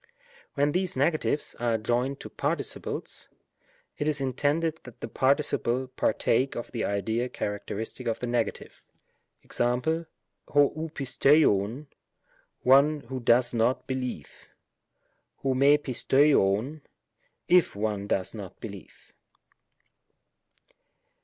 When these negatives are joined to participles, it is intended that the participle partake of the idea characteristic of the negative. Mg.^ 6 ov m OTtvcov^ " one who does not believe ;" 6 fxri TicOTavcoVy " if one does not believe."